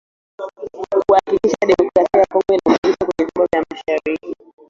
kuhakikisha Demokrasia ya Kongo inaunganishwa kwenye vyombo vya Afrika mashariki